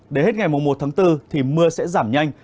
để hết ngày một một tháng bốn thì mưa sẽ giảm nhanh